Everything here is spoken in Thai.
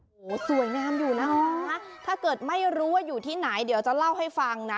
โอ้โหสวยงามอยู่นะคะถ้าเกิดไม่รู้ว่าอยู่ที่ไหนเดี๋ยวจะเล่าให้ฟังนะ